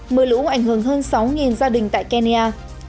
mưa lũ ảnh hưởng hơn sáu gia đình tại kenya